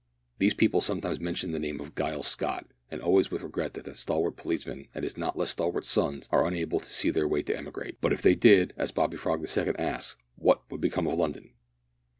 These people sometimes mention the name of Giles Scott, and always with regret that that stalwart policeman and his not less stalwart sons are unable to see their way to emigrate, but if they did, as Bobby Frog the second asks, "what would become of London?"